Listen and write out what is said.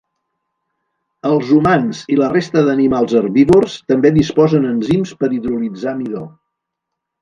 Els humans i la resta d'animals herbívors també disposen enzims per hidrolitzar midó.